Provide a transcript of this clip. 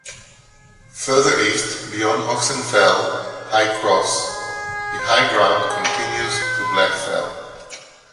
Further east, beyond Oxen Fell High Cross, the high ground continues to Black Fell.